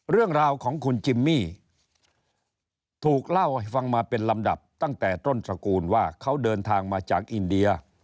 เรื่องราวของคุณจิมมี่ถูกเล่าให้ฟังมาเป็นลำดับตั้งแต่ต้นตระกูลว่าเขาเดินทางมาจากอินเดีย